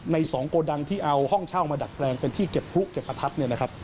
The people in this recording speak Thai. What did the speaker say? ใน๒โกดังที่เอาห้องเช่ามาดัดแปลงเป็นที่เก็บพลุเก็บประทัดเนี่ยนะครับ